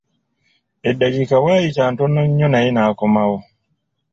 Eddakiika wayita ntono nnyo naye n'akomawo.